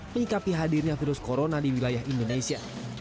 menyikapi hadirnya virus corona di wilayah indonesia